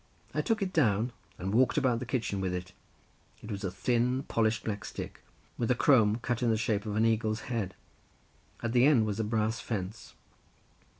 I took it down and walked about the kitchen with it; it was a thin polished black stick, with a crome cut in the shape of an eagle's head; at the end was a brass fence.